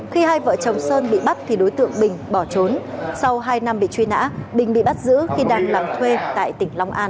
khi hai vợ chồng sơn bị bắt thì đối tượng bình bỏ trốn sau hai năm bị truy nã bình bị bắt giữ khi đang làm thuê tại tỉnh long an